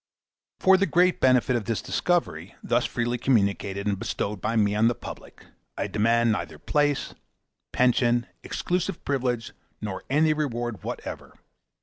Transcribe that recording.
For the great benefit of this discovery, thus freely communicated and bestowed by me on the public, I demand neither place, pension, exclusive privilege, nor any other reward whatever.